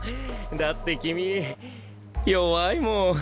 だって君弱いもん。